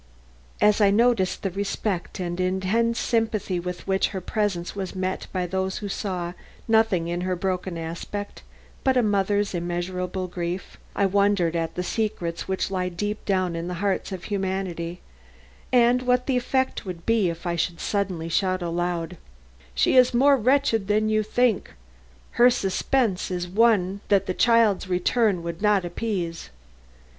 As I noticed the respect and intense sympathy with which her presence was met by those who saw nothing in her broken aspect but a mother's immeasurable grief, I wondered at the secrets which lie deep down in the hearts of humanity, and what the effect would be if I should suddenly shout aloud: "She is more wretched than you think. Her suspense is one that the child's return would not appease.